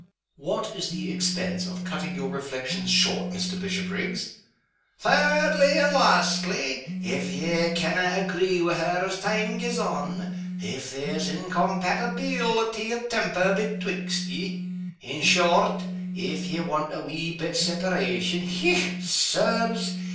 "What is the expense of cutting your reflections short, Mr. Bishopriggs?" "Thirdly, and lastly, if ye canna agree wi' her as time gaes on if there's incompaitibeelity of temper betwixt ye in short, if ye want a wee bit separation, hech, Sirs!